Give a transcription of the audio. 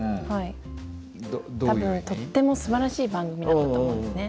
多分とってもすばらしい番組だったと思うんですね。